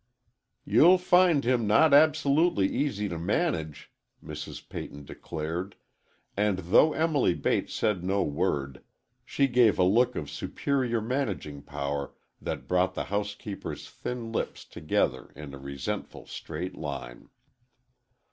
"You'll find him not absolutely easy to manage," Mrs. Peyton declared, and though Emily Bates said no word, she gave a look of superior managing power that brought the housekeeper's thin lips together in a resentful straight line.